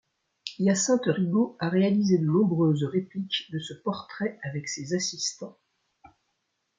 Hyacinthe Rigaud a réalisé de nombreuses répliques de ce portrait avec ses assistants.